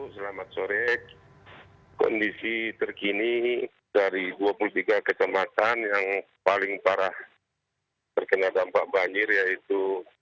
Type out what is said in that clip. selamat sore kondisi terkini dari dua puluh tiga kecamatan yang paling parah terkena dampak banjir yaitu